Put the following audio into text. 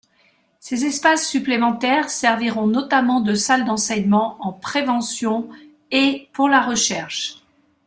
Ces espaces supplémentaires serviront notamment de salle d'enseignement en prévention et pour la recherche.